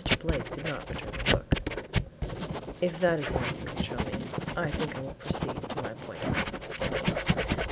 Blake did not return the look. "If that is all you can show me, I think I will proceed to my appointment," said he.